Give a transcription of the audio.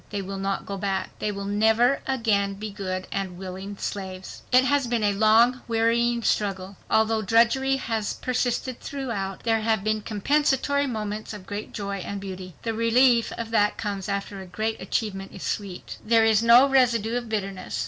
They will not go back. They will never again be good and willing slaves. It has been a long, wearying struggle. Although drudgery has persisted throughout, there have been compensatory moments of great joy and beauty. The relief that comes after a great achievement is sweet. There is no residue of bitterness.